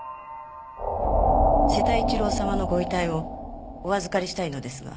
瀬田一郎様のご遺体をお預かりしたいのですが。